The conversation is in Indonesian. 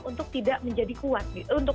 untuk tidak menjadi kuat